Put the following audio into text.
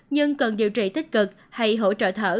nhưng cần điều trị tích cực hay hỗ trợ thở